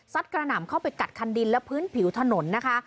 กระหน่ำเข้าไปกัดคันดินและพื้นผิวถนนนะคะ